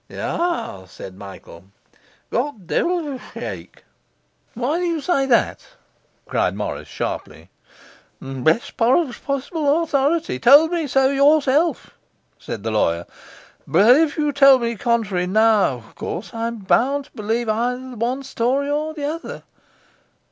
'Ah!' said Michael, 'got devil of a shake!' 'Why do you say that?' cried Morris sharply. 'Best possible authority. Told me so yourself,' said the lawyer. 'But if you tell me contrary now, of course I'm bound to believe either the one story or the other.